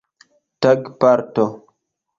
tagparto